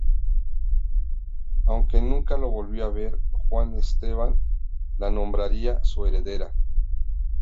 Aunque nunca la volvió a ver, Juan Esteban la nombraría su heredera.